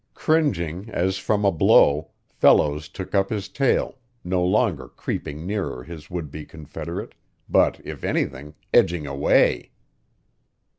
Cringing as from a blow, Fellows took up his tale, no longer creeping nearer his would be confederate, but, if anything, edging away.